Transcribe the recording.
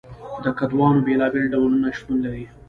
د کدوانو بیلابیل ډولونه شتون لري.